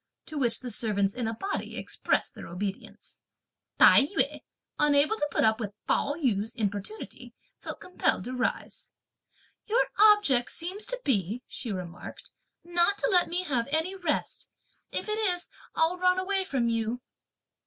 To which the servants in a body expressed their obedience. Tai yü, unable to put up with Pao yü's importunity, felt compelled to rise. "Your object seems to be," she remarked, "not to let me have any rest. If it is, I'll run away from you."